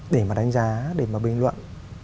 để mà đánh giá để mà bình luận